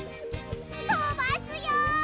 とばすよ！